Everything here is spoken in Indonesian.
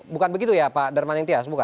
bukan begitu ya pak darman yengtias bukan